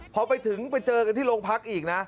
พอไปถึงไปเจอกันที่โรงพักอีกนะ